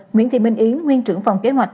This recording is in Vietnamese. nguyễn thị minh yến nguyên trưởng phòng kế hoạch